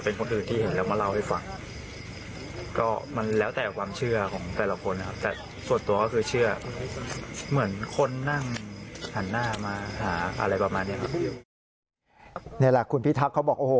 นี่แหละคุณพิทักษ์เขาบอกโอ้โห